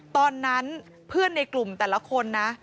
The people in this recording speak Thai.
ตอนนั้นเพื่อนในกลุ่มแต่ละคนนะ